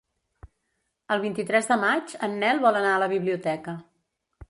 El vint-i-tres de maig en Nel vol anar a la biblioteca.